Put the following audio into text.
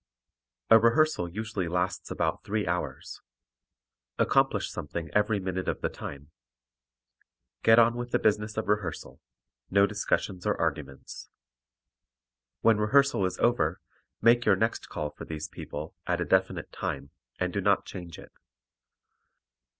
A rehearsal usually lasts about three hours. Accomplish something every minute of the time. Get on with the business of rehearsal no discussions or arguments. When rehearsal is over make your next call for these people, at a definite time and do not change it.